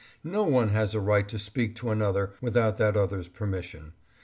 No one has a right to speak to another without that other's permission.